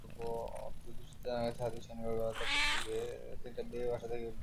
GD সূত্রে জানা গেছে, হাদী শনিবার বেলা তিনটার দিকে বাসা থেকে বের হয়।